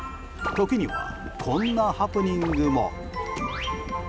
時には、こんなハプニングも。